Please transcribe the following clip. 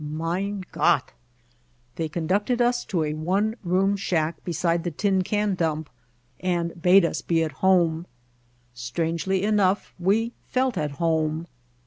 "Mein Gottr' They conducted us to a one room shack beside the tin can dump and bade us be at home. Strangely enough we felt at home.